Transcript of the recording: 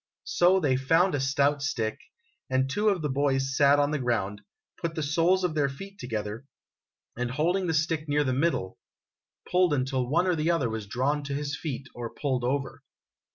So they found a stout stick, and two of the boys sat on the ground, put the soles of their feet together, and, holding the stick near the middle, pulled until one or the other was drawn to his feet or pulled over.